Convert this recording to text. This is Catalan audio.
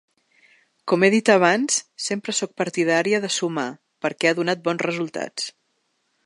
Com he dit abans, sempre sóc partidària de sumar, perquè ha donat bons resultats.